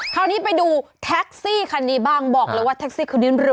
คราวนี้ไปดูแท็กซี่คันนี้บ้างบอกเลยว่าแท็กซี่คนนี้รู้